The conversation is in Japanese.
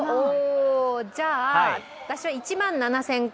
じゃあ、私は１万７０００個。